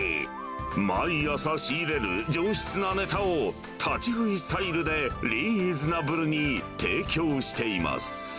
毎朝仕入れる上質なねたを立ち食いスタイルでリーズナブルに提供しています。